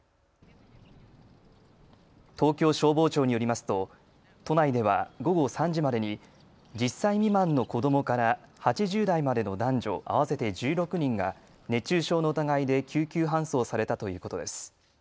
東京消防庁によりますと都内では午後３時までに１０歳未満の子どもから８０代までの男女合わせて１６人が熱中症の疑いで救急搬送されたということです。